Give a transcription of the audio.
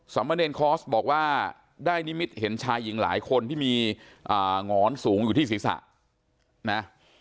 มะเนรคอร์สบอกว่าได้นิมิตเห็นชายหญิงหลายคนที่มีหงอนสูงอยู่ที่ศีรษะนะ